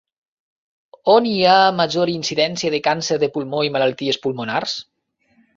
On hi ha major incidència de càncer de pulmó i malalties pulmonars?